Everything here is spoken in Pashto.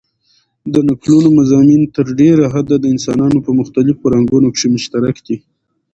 د نکلونو مضامن تر ډېره حده دانسانانو په مختلیفو فرهنګونو کښي مشترک دي.